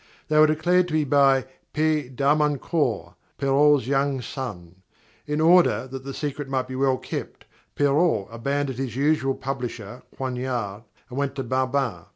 They were declared to be by P. Darmancour, Perrault's young son. In order that the secret might be well kept, Perrault abandoned his usual publisher, Coignard, and went to Barbin.